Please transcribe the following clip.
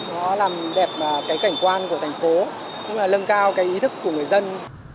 nó làm đẹp cảnh quan của thành phố lâng cao cái ý thức của người dân